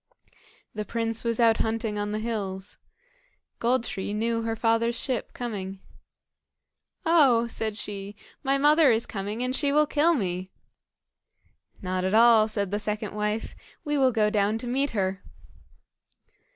The prince was out hunting on the hills. Gold tree knew her father's ship coming. "Oh!" said she, "my mother is coming, and she will kill me." "Not at all," said the second wife; "we will go down to meet her."